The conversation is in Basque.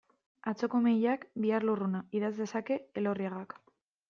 Atzoko ume hilak, bihar lurruna, idatz lezake Elorriagak.